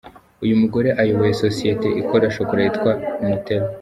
Uyu mugore ayoboye sosiyete ikora chocolat yitwa Nutella.